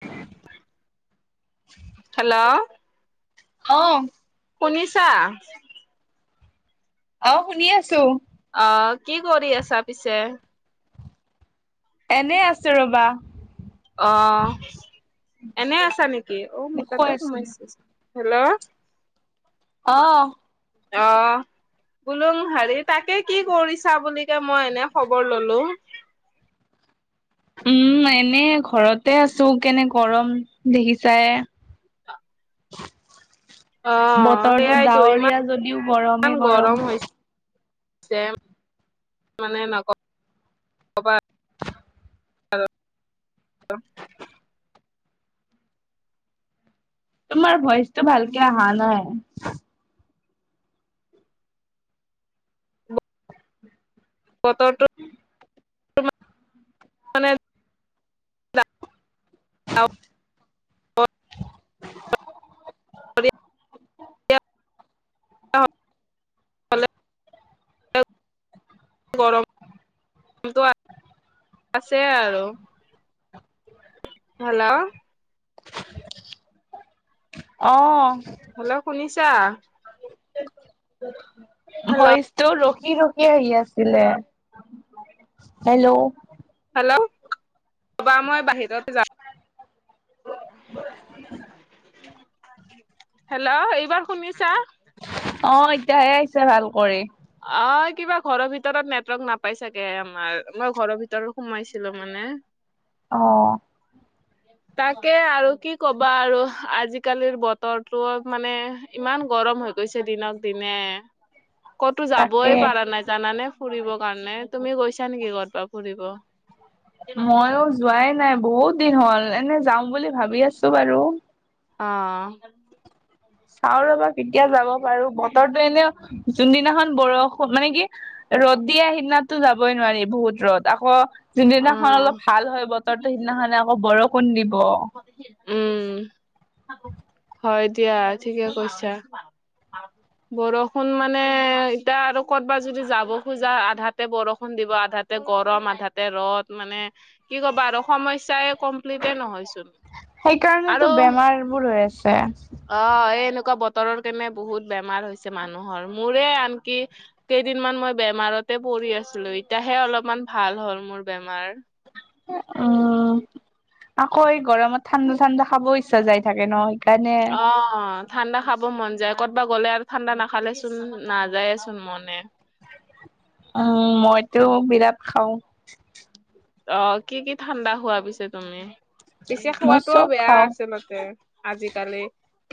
[inaudible] Hello? অ। শুনিছা? অ শুনি আছোঁ। অ, কি কৰি আছা পিছে? এনেই আছো ৰবা। অ, এনে আছা নেকি? কৈ আছো হেল্ল'? অঁ। অ। বুলু হাৰী তাকে কি কৰিছা বুলিকে মই এনে খবৰ ললোঁ। উম এনে ঘৰতে আছোঁ, কেনে গৰম দেখিছাই। [inaudible] বতৰটো সেইয়াইতো ইমান ডাৱৰীয়া যদিও গৰমে গৰম। যে মানে নকওঁ [inaudible] তোমাৰ ভইচটো ভালকে অহা নাই। বতৰটো মানে [inaudible] [unintelligible] [unintelligible] যোৱা? আছে আৰু। হেল্ল'? অ'! হেল্ল'! শুনিছা? [unintelligible] ভইচ ত' ৰখি-ৰখি আহি আছিলে। হেল্ল'? হেল্ল'! ৰ'বা মই বাহিৰত যাম। [unintelligible] হেল্ল'! এইবাৰ শুনিছা? অ'! এতিয়াহে আহিছে, ভাল কৰি। অ'! কিবা ঘৰৰ ভিতৰত নেটৱৰ্ক নাপাই চাগে, আমাৰ। মই ঘৰৰ ভিতৰত সোমাইছিলোঁ মানে। অ'! তাকে আৰু কি ক'বা আৰু আজিকালিৰ বতৰটো মানে! ইমান গৰম হৈ গৈছে! দিনক- দিনে। ক'তো তাকে যাবই পাৰা নাই জানানে! ফুৰিব কাৰণে। তুমি গৈছা নেকি ক'ৰবাত ফুৰিব? মইয়ো যোৱাই নাই বহুত দিন হ'ল। এনে যাওঁ বুলি ভাবি আছোঁ বাৰু! অ'! চাওঁ ৰ'বা কেতিয়া যাব পাৰোঁ! বতৰটো এনে, যোনদিনাখন বৰষুণ, মানে কি! ৰ'দ দিয়ে, সিদিনাতো যাবই নোৱাৰি, বহুত ৰ'দ! আকৌ, অ যোনদিনাখন অলপ ভাল হয় বতৰটো, সিদিনাখনে, আকৌ বৰষুণ দিব। উম! হয় দিয়া, ঠিকে কৈছা। অ'! বৰষুণ মানে, এতিয়া আৰু কৰ'বাত যদি যাব খোজা, আধাতে বৰষুণ দিব আধাত আধাতে গৰম! আধাতে ৰ'দ। মানে, কি ক'বা আৰু সমস্যাই কমপ্লিটে নহয়চোন। আৰু সেইকাৰণেতো বেমাৰবোৰ হৈ আছে। অ'! এই, এনেকুৱা বতৰৰ কাৰনে বহুত বেমাৰ হৈছে মানুহৰ! মোৰে আনকি, কেইদিনমান মই বেমাৰতে পৰি আছিলোঁ! এতিয়াহে, অলপমান ভাল হ'ল, মোৰ বেমাৰ। [unintelligible] অ'! আকৌ, এই গৰমত ঠাণ্ডা-ঠাণ্ডা খাবও ইচ্ছা যাই থাকে ন'! সেইকাৰণে। অ'! ঠাণ্ডা খাব মন যায়। কৰ'বাত গ'লে আৰু ঠাণ্ডা নাখালেচোন, নাযায়েচোন মনে। উম, মইতো বিৰাট খাওঁ! অ'! কি কি ঠাণ্ডা খোৱা পিছে, তুমি? পিছে, মই খোৱাতোও চব বেয়া খাও আচলতে, আজিকালি!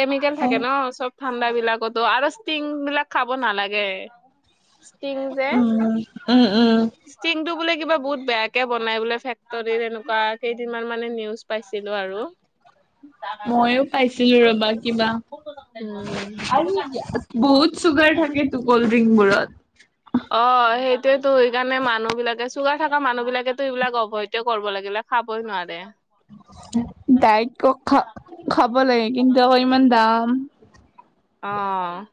কেমিকেল থাকে ন' চব ঠাণ্ডা বিলাকতো। আৰু ষ্টিং বিলাক খাব নালাগে। উম, উম, উম। ষ্টিং টো বোলে কিবা বহুত বেয়া বেয়াকে বনাই বোলে, ফেক্টৰী এনেকুৱা! কেইদিনমান মানে, নিউজ পাইছিলোঁ আৰু। মইয়ো পাইছিলোঁ ৰ'বা কিবা। উম। [unintelligible] বহুত চুগাৰ থাকেতো ক'ল্ড ড্ৰিংক বোৰত। অ' সেইটোৱেতো! সেইকাৰণে, মানুহ বিলাকে চুগাৰ থকা মানুহ বিলাকেতো, এইবিলাক, এভইডে কৰিব লাগে, সেইবিলাক। খাবই নোৱাৰে। [unintelligible] খাব লাগে। কিন্তু, আ'ক ইমান দাম! অ'!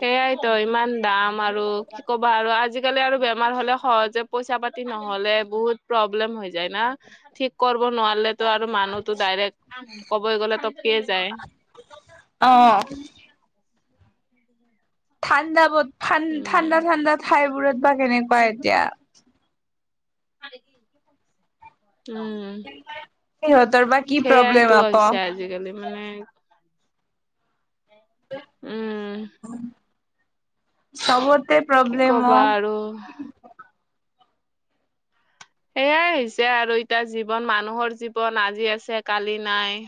সেইয়াইতো, ইমান দাম আৰু! কি ক'বা আৰু। আজিকালি আৰু বেমাৰ হ'লে সহজে পইচা পাতি নহলে বহুত প্ৰব্লেম হৈ যায় না ঠিক কৰিব নোৱাৰিল তো আৰু মানুহ, টো ডাইৰেক্ট ক'বই গ'লে তপকিয়ে যায় অঁ ঠাণ্ডা বহুত উম ঠাণ্ডা ঠাণ্ডা ঠাইবোৰত বা কেনেকুৱা এতিয়া, উম সিহঁতৰ বা, কি প্ৰব্লেম সেয়াইতো আকৌ হৈছে আজিকালি মানে, উম চবতে কি প্ৰব্লেম কবা অঁ, আৰু সেয়াই হৈছে আৰু এতিয়া জীৱন মানুহৰ জীৱন আজি আছে কালি নাই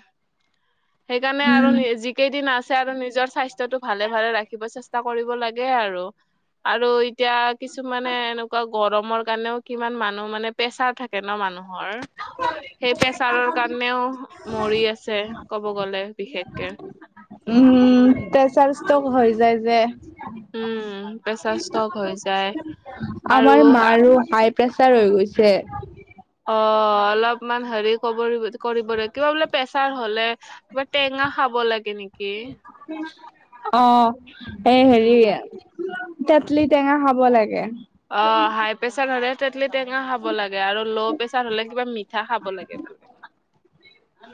সেইকাৰণে আৰু উম। যিকেইদিন আছে আৰু নিজৰ স্বাস্থ্যটো ভালে ভালে ৰাখিব চেষ্টা চিন্তা কৰিব লাগে আৰু, আৰু এতিয়া কিছুমানে এনেকুৱা গৰমৰ কাৰণেও কিমান মানুহ মানে, প্ৰেছাৰ থাকে ন মানুহৰ, সেই প্ৰেছাৰৰ কাৰণেও মৰি আছে কব গলে বিশেষকে, উ হু প্ৰেচাৰ ষ্টক হয় যায় যে উম প্ৰেচাৰ ষ্টক হৈ যায় আৰু আমাৰ মাৰ হাই, প্ৰেছাৰ হৈ গৈছে, অ অলপমান হেৰি ক কৰিব ল কিবা বোলে প্ৰেচাৰ হলে কিবা টেঙা খাব লাগে নেকি অ এই হেৰি উম তেতলি টেঙা খাব লাগে অ হাই প্ৰেচাৰ হলে তেতলি টেঙা খাব লাগে আৰু ল' প্ৰেচাৰ হলে কিবা মি মিঠা খাব লাগে বোলে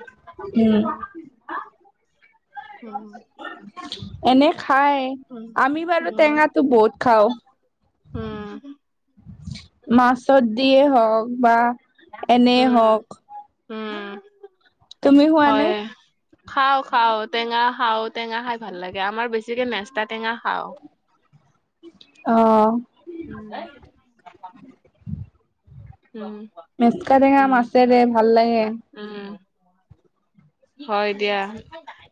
উম উম এনে খাই আমি বাৰু টেঙাটো বহুত খাওঁ উম। মাছত দিয়ে হওক বা এনে হওক উম তুমি খোৱা নে? হয় খাও খাও টেঙা খাও টেঙা খাই ভাল লাগে আমাৰ বেছিকে মেচতা টেঙা খাও, [unintelligible] অঁ [unintelligible] উম। মেচকা টেঙা মাছেৰে ভাল লাগে উম, হয় দিয়া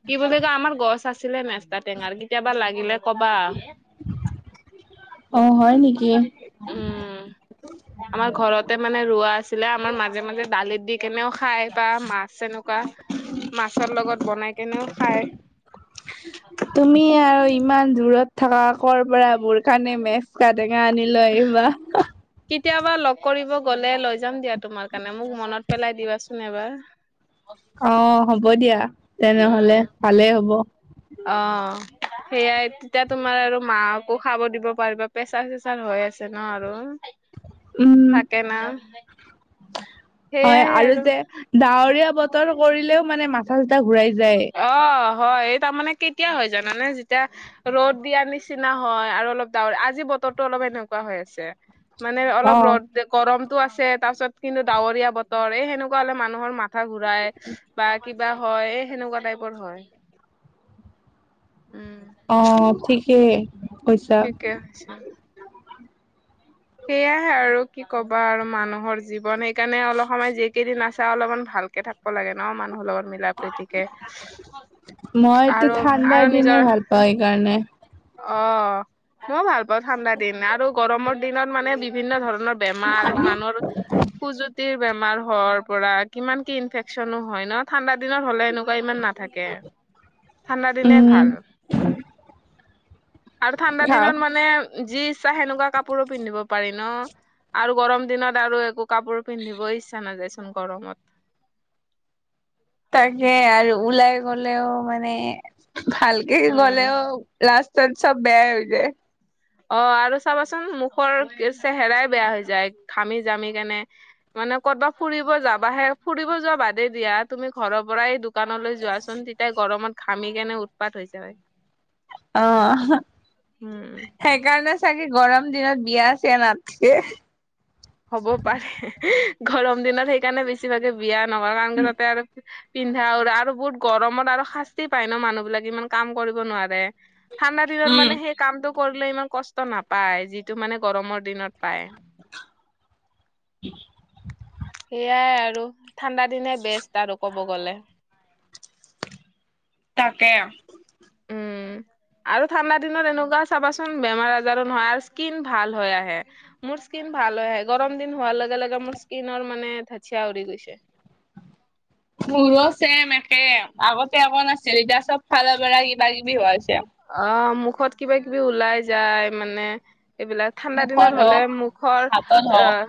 কি বুলি কয় আমাৰ গছ আছিলে নেস্তা টেঙাৰ কেতিয়াবা লাগিলে কবা অ হয় নেকি উম আমাৰ ঘৰতে মানে ৰোৱা আছিলে আমাৰ মাজে মাজে দালিত দি কেনেও খায় বা মাছ এনেকুৱা মাছৰ লগত বনাই কেনেও খায় তুমি আৰু ইমান দূৰত থাকা কৰ' পৰা মোৰ কাৰনে মে চ কাটেঙা আনি লৈ আহিবা কেতিয়াবা লগ কৰিব গ'লে লৈ যাম দিয়া তোমাৰ কাৰণে মোক মনত পেলাই দিবাচোন এবাৰ অ হ'ব দিয়া তেনেহলে উম ভালেই হ'ব। অ। সেয়াই তেতিয়া তোমাৰ আৰু মাহকো খাব দিব পাৰিবা পেচাৰ-চেচাৰ হৈ আছে ন আৰু। উম'। কে-না - হয় আৰু যে ডাৱৰীয়া বতৰ কৰিলেও মানে মাথা-চাথা ঘূৰাই যায়। অ হয় এই তাৰমানে কেতিয়া হৈ যায় মানে যেতিয়া- ৰ'দ দিয়াৰ নিচিনা হয় আৰু অলপ ডাৱৰ আজি বতৰটো অলপ এনেকুৱা হৈ আছে। মানে অলপ অ', ৰ'দ- গৰমতটো আছে তাৰ-ছত কিন্তু ডাৱৰীয়া বতৰ এই সেনেকুৱা হলে মানুহৰ মাথা ঘূৰাই বা কিবা হয়, এ সেনেকুৱা টাইপৰ হয়। উম। অ' ঠিকেই। কৈছা। ঠিকে হৈছে। সেয়াহে আৰু কি ক'বা আৰু মানুহৰ জীৱন! সেইকাৰণে অলপ সময় যি কেইদিন আছা অলমান ভাল কে থাক'ব লাগে ন মানুহৰ লগ মি- লা-প্ৰ্ৰীতিকে, আৰু আৰু নিজৰ ত সেইকাৰণে অ, মই ভাল পাওঁ ঠাণ্ডা দিন আৰু গৰমৰ দিনত মানে বিভিন্ন ধৰণৰ বেমাৰ মানুহৰ খুজুতিৰ বেমাৰ হৰ পৰা কিমান, কি ইনফেকচনো হয় ন? ঠাণ্ডা দিনত হ'লে এনেকুৱা ইমান নাথাকে। ঠাণ্ডা দিনে ভাল। উম, আৰু ঠাণ্ডা দিনত মানে- যি ইচ্ছা সেনেকুৱা কাপোৰো পিন্ধিব পাৰি ন? আৰু গৰম দিনত আৰু একো কাপোৰ পিন্ধিবই ইচ্ছা নাযায়চোন গৰমত। তাকে আৰু ওলাই গলেও মানে ভালকে উম গ'লেও লাষ্ট টত চব বেয়াই হৈ যায়। অ' আৰু চাবাচোন মুখৰ চেহেৰাই বেয়া হৈ যায় ঘামি-জামি কেনে মানে কতবা ফুৰিব যাবা হে, ফুৰিব যোৱা বাদেই দিয়া তুমি ঘ'ৰ পৰাই দোকানলৈ যোৱাচোন তেতিয়া গৰমত ঘামি কেনে উৎপাত হৈ যায়। অ' উম সেইকাৰণে চাগে গৰম দিনত বিয়া-চিয়া নাথকে। হ'ব পাৰে, গৰম দিনত সেইকাৰণে বেছিভাগে বিয়া নকৰা তাতে আৰু- পিন্ধা আৰু আৰু বহুত গৰমত আৰু শাস্তি পায় ন' মানুহ বিলাক ইমান কাম কৰিব নোৱাৰে। ঠাণ্ডা দিনত উম মানে হেই- কামটো কৰিলে ইমান কষ্ট নাপায় যিটো মানে গৰমৰ দিনত পায়। [inaudible] সেইয়াই আৰু, ঠাণ্ডা দিনে বেষ্ট আৰু ক'ব গলে। তাকে। উম' আৰু ঠাণ্ডা দিনত এনেকুৱা চাবাচোন বেমাৰ-আজাৰো নহয় আৰু স্কিন ভাল হৈ আহে। মোৰ স্কীিন ভাল হৈ আহে গৰম দিন হোৱাৰ লগে-লগে মোৰ স্কিনৰ মানে ধ'চিয়া উৰি গৈছে। মোৰো চেম একে, আগতে অকন চেনিটাইছৱ ফালৰ পৰা কিবা-কিবি হৈ আছে। অ' মুখত কিবা-কিবি ওলাই যায় মানে, এইবিলাক ঠাণ্ডা দিনত মুখত হলে হওক মুখৰ হাতত হওক আহ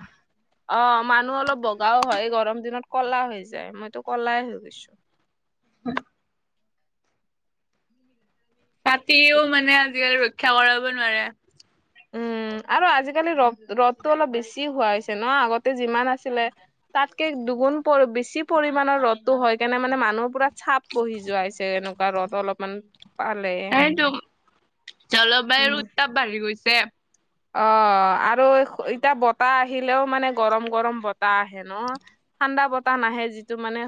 অ' মানুহ অলপ বগাও হয় গৰম দিনত ক'লা হৈ যায় মইতো কলাই হৈ গৈছো। [inaudible] তাতিও মানে আজিকাঢ়ি ৰক্ষা কৰাব নোৱাৰে। উম, আৰু আজিকালি ৰ'দ ৰ'দটো অলপ বেছি হোৱা হৈছে ন' আগতে যিমান আছিলে। তাতকে দুগুণ প বেছি পৰিমণৰ ৰ'দটো হয় কাৰণে মানে মানুহৰ পুৰা চাপ বহি যোৱাইছে, এনেকুৱা ৰ'দ অলপমান পালে। সেইটো জলবায়ুৰ উত্তাপ বাঢ়ি গৈছে। অ', আৰু এতিয়া বতাহ আহিলেও মানে গৰম গৰম বতাহ আহে ন'। ঠাণ্ডা বতাহ নাহে যিটো মানে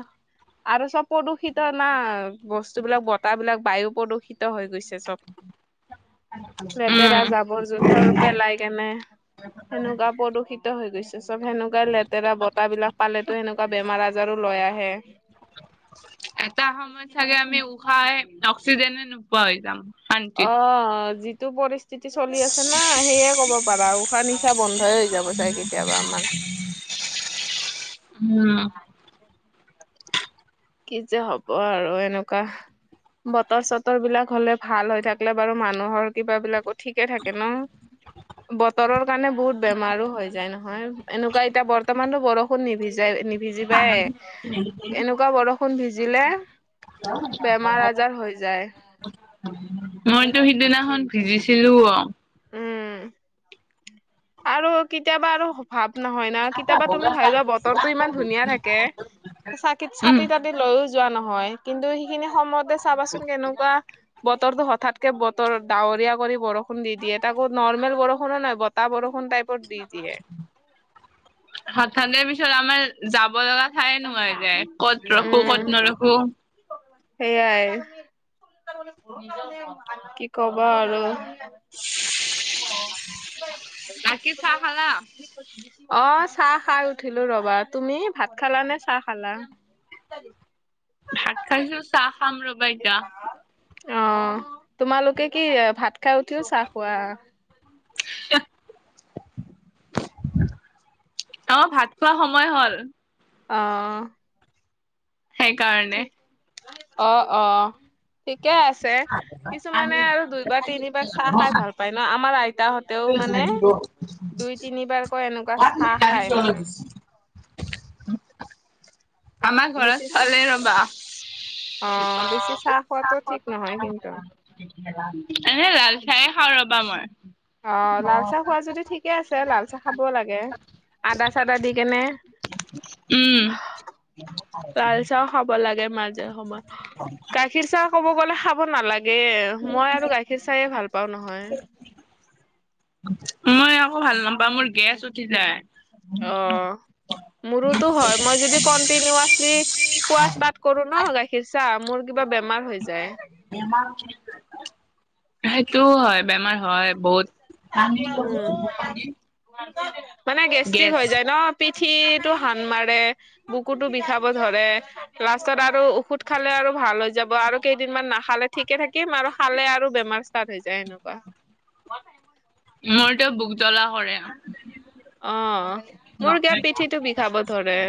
আৰু চব প্ৰদূষিত না, বস্তুবিলাক, বতাহবিলাক, বায়ু প্ৰদূষিত হৈ গৈছে চব। উম লেতেৰা জাবৰ-জোথৰ পেলাই কেনে। সেনেকুৱা প্ৰদূষিত হৈ গৈছে চব, সেনেকুৱাই লেতেৰা বতাহবিলাক পালেটো সেনেক কুৱা বেমাৰ আজাৰো লৈ আহে। এটা সময়ত চাগে আমি উশা, অক্সিজেনে নোপোৱা হৈ যাম। শান্তিত অ', অ', যিটো পৰিস্থিতি চলি আছে না সেয়ে ক'ব পাৰা। শা নিশা বন্ধই হৈ যাব চাগে কেতিয়াবা আমাৰ। উম। কি যে হ'ব আৰু এনেকুৱা বতৰ চতৰবিলাক হ'লে, ভাল হৈ থাকিলে বাৰু মানুহ নুহৰ কিবাবিলাকো ঠিকে থাকে ন' বতৰৰ কাৰণে বহুত বেমাৰো হৈ যায় নহয়, এনেকুৱা এতিয়া বৰ্তমানতো বৰষুণ নিভিজায় নি ভিজিবায়ে, এনেকুৱা বৰ ষুণ ভিজিলে, বেমাৰ আজাৰ হৈ যায়। মইতো সিদিনাখন ভিজিছিলো অ'। উম, আৰু কেতিয়াবা আৰু ভাব নহয় না, কেতিয়াবা তুমি ভাবিবা বতৰটো ইমান ধুনীয়া থাকে। চাকিত উম চাতি তাতি লৈও যোৱা নহয় কিন্তু সেইখিনি সময়তে চাবাচোন কেনেকুৱা বত বতৰটো হঠাতকে বতৰ ডাৱৰীয়া কৰি বৰষুণ দি দিয়ে। তাকো নৰ্মেল বৰষুণো নাই বতাহ বৰষুণ টাইপত দি দিয়ে। হঠাতে পিছত আমাৰ যাব লগা ঠাই নোহোৱা হৈ যায় ক'ত ৰখো, ক'ত নৰখো। সেয়াই। কি ক'বা আৰু। বাকী চাহ খালা অ'। অ', চাহ খাই উঠিলো ৰ'বা, তুমি ভাত খালা নে চাহ খালা? [inaudible] ভাত খাইছোঁ চাহ খাম ৰ'বা এতিয়া। অ', তোমালোকে কি ভাত খাই উঠিও চাহ খোৱা? [inaudible] অ', ভাত খোৱা সময় হ'ল। অ'। ঠিক সেইকাৰণে। অ', অ'। ঠিকে আছে, কিছুমানে আৰু দুইবাৰ তিনিবাৰ চাহ খাই ভাল পায় ন' আমাৰ আইতাহত তেওঁ মানে দুই তিনিবাৰকৈ এনেকুৱা চাহ খায় মানে। [inaudible] আমাৰ বেছি ঘৰত চালে ৰ'বা। অ বেছি অ', চাহ খোৱাটো ঠিক নহয় কিন্তু [unintelligible] এনে লাল চাহে খাওঁ ৰ'বা মই। অ', লালচাহ খোৱা যদি ঠিকে আছে লালচাহ খাবও লাগে। আদা চাদা দি কেনে। উম লাল চাহ খাব লাগে মাজে সময়ে কাত- গাখীৰ চাহ ক'ব গ'লে খাব নালাগে মই আৰু গাখীৰ চাহয়ে ভাল পাওঁ নহয়। মই আকৌ ভাল নাপাওঁ মোৰ গেছ উঠি যায়। অ, মোৰোতো হয় মই যদি কন্টিনুৱাচলি- খোৱা ষ্টাৰ্ট কৰো ন গাখীৰ চাহ মোৰ কিবা বেমাৰ হৈ যায়। সেইটোও হয় বেমাৰ হয় বহুত- পানী লৈ উম দিছে মোক পানী। মানে গেষ্ট্ৰিক হৈ যায় ন। পিঠিটো হান মাৰে, বুকুটো বিষাব ধৰে। লাষ্টত আৰু ঔষধ খালে আৰু ভাল হৈ যাব আৰু কেইদিনমান নাখালে ঠিকে থাকিম আৰু খালে আৰু বেমাৰ- ষ্টাত হৈ যায় হেনকুৱা। মোৰ যে বোকো জ্বলা কৰে। অঁ অ, মোৰ কিবা পিঠিটো বিষাব ধৰে।